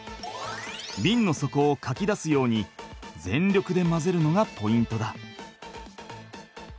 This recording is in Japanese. ビンの底をかき出すように全力で混ぜるのがポイントだ。